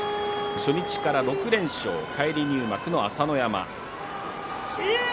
初日から６連勝、返り入幕の朝乃山。